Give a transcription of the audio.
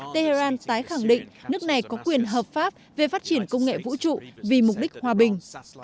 tehran tái khẳng định nước này có quyền hợp pháp về phát triển công nghệ vũ trụ vì mục đích hòa bình